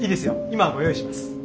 今ご用意します。